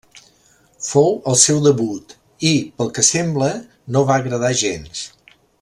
Fou el seu debut i, pel que sembla, no va agradar gens.